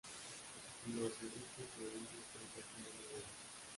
Los cerritos de indios son testimonio de ello.